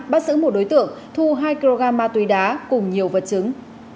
bắt giữ một đối tượng thu hai kg ma túy đá cùng nhiều vật chứng